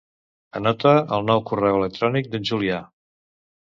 Anota el nou correu electrònic d'en Julià.